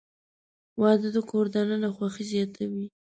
• واده د کور دننه خوښي زیاتوي.